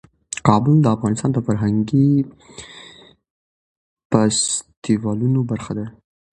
کابل د افغانستان د فرهنګي فستیوالونو برخه ده.